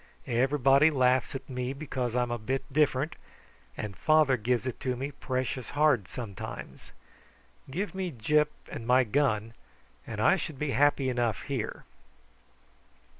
Everybody laughs at me because I'm a bit different, and father gives it to me precious hard sometimes. Give me Gyp and my gun, and I should be happy enough here."